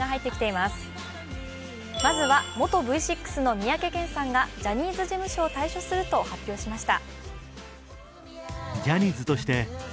まずは元Ｖ６の三宅健さんがジャニーズ事務所を退所すると発表しました。